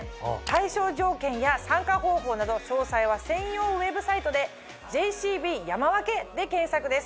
対象条件や参加方法など詳細は専用ウェブサイトで「ＪＣＢ山分け」で検索です。